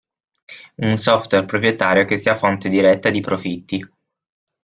Un software proprietario che sia fonte diretta di profitti.